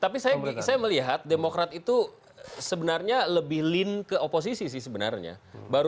tapi saya melihat demokrat itu sebenarnya lebih lean ke oposisi sih sebenarnya